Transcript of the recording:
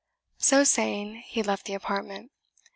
So saying, he left the apartment.